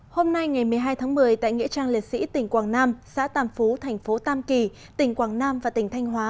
hôm nay ngày một mươi hai tháng một mươi tại nghĩa trang liệt sĩ tỉnh quảng nam xã tàm phú thành phố tam kỳ tỉnh quảng nam và tỉnh thanh hóa